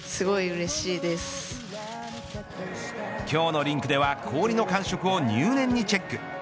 今日のリンクでは氷の感触を入念にチェック。